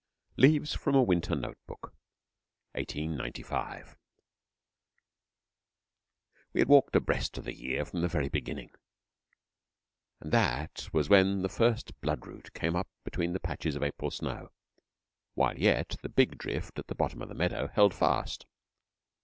LEAVES FROM A WINTER NOTE BOOK (1895) We had walked abreast of the year from the very beginning, and that was when the first blood root came up between the patches of April snow, while yet the big drift at the bottom of the meadow held fast.